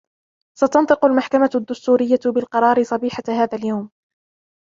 ستنطق المحكمة الدستورية بالقرار صبيحة هذا اليوم.